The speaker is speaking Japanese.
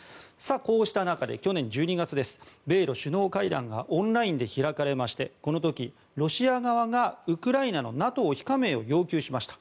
こうした中で去年１２月米ロ首脳会談がオンラインで開かれましてこの時、ロシア側がウクライナのＮＡＴＯ非加盟を要求しました。